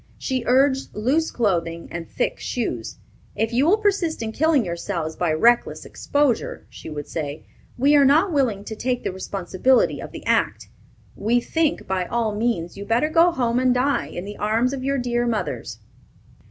She urged loose clothing and thick shoes. "If you will persist in killing yourselves by reckless exposure," she would say, "we are not willing to take the responsibility of the act. We think, by all means, you better go home and die, in the arms of your dear mothers."